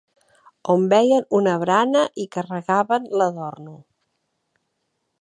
On veien una barana hi carregaven l'adorno